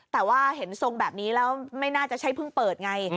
แต่ว่าเห็นทรงแบบนี้แล้วไม่น่าจะใช่เพิ่งเปิดไง